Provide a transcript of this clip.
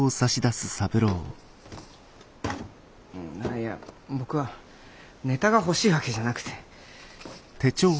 いや僕はネタが欲しいわけじゃなくて。